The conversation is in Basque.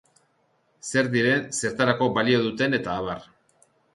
Zer diren, zertarako balio duten eta abar.